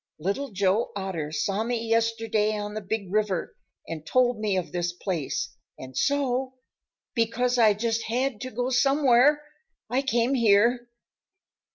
Little Joe Otter saw me yesterday on the Big River and told me of this place, and so, because I just had to go somewhere, I came here."